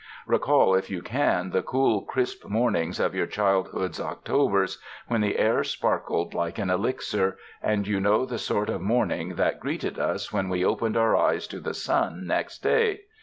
Recall if you can the cool, crisp mornings of your childhood's Octobers when the air sparkled like an elixir, and you know the sort of morning that greeted us when we opened our eyes to the sun next day.